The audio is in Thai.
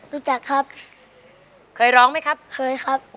รู้จักครับเคยร้องไหมครับเคยครับ